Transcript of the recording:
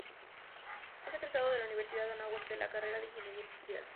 Es egresado de la Universidad Anáhuac de la carrera de ingeniería industrial.